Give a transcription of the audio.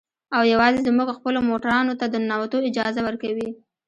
او يوازې زموږ خپلو موټرانو ته د ننوتو اجازه ورکوي.